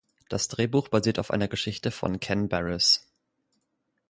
Das Drehbuch basiert auf einer Geschichte von Ken Barris.